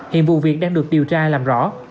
hiện vụ việc đang được điều tra làm rõ